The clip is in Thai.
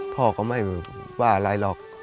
พ่อก็ไม่ว่าอะไรหรอก